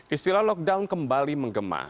istilah lockdown kembali menggema